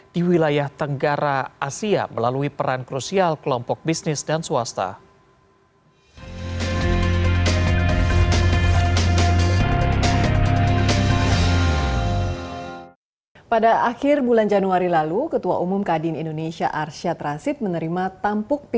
di wilayah tenggara asia melalui peran krusial kelompok bisnis dan swasta